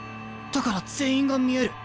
だから全員が見える。